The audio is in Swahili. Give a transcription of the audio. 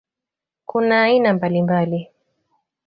Kuna aina mbalimbali.